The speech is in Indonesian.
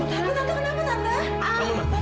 iya ampun nanda kenapa nanda